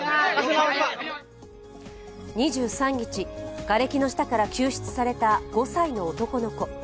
２３日、がれきの下から救出された５歳の男の子。